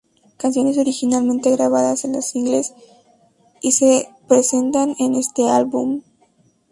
Canciones originalmente grabadas en los singles Y Se presentan en este álbum.